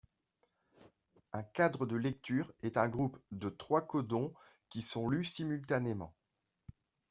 Un cadre de lecture est un groupe de trois codons qui sont lus simultanément.